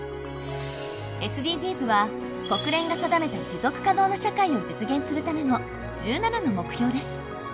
ＳＤＧｓは国連が定めた持続可能な社会を実現するための１７の目標です。